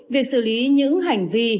việc xử lý những hành vi